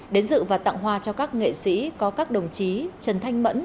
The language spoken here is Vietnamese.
đến dự và tặng hoa cho các nghệ sĩ có các đồng chí trần thanh mẫn